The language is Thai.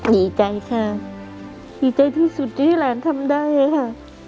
ดีใจค่ะดีใจที่สุดที่หลานทำได้ค่ะ